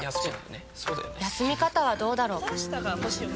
休み方はどうだろう。